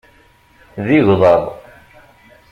D igḍaḍ.